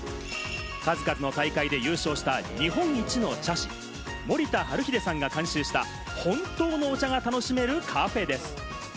数々の大会で優勝した、日本一の茶師・森田治秀さんが監修した本当のお茶が楽しめるカフェです。